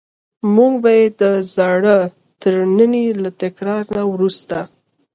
موږ به یې د زاړه ترننی له تکرار نه وروسته.